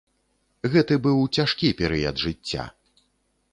Гэты быў цяжкі перыяд жыцця.